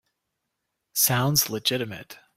Sounds legitimate.